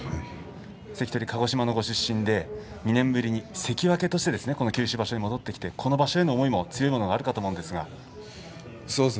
関取は鹿児島出身で２年ぶりに関脇として九州場所へ戻ってきた、この場所への思いも強いものがあると思いますが。